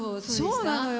そうなのよ。